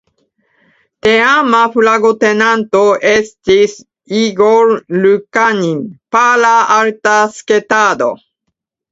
Teama flagotenanto estis "Igor Lukanin" (para arta sketado).